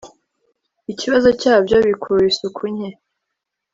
ikibazo cyabyo bikurura isuku nke